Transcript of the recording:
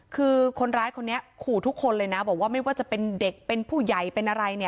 คือคนร้ายคนนี้ขู่ทุกคนเลยนะบอกว่าไม่ว่าจะเป็นเด็กเป็นผู้ใหญ่เป็นอะไร